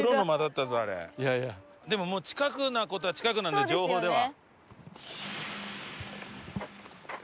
でももう近くな事は近くなので情報では。